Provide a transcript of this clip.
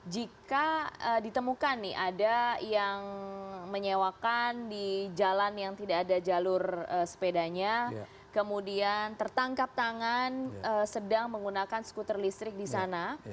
jika ditemukan nih ada yang menyewakan di jalan yang tidak ada jalur sepedanya kemudian tertangkap tangan sedang menggunakan skuter listrik di sana